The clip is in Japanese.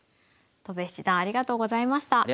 戸辺七段ありがとうございました。